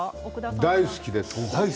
大好きです。